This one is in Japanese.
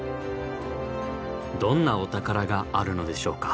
どんなお宝があるのでしょうか？